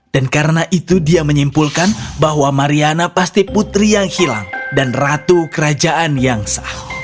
dan karena itu dia menyimpulkan bahwa mariana pasti putri yang hilang dan ratu kerajaan yang sah